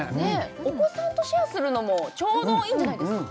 お子さんとシェアするのもちょうどいいんじゃないですか？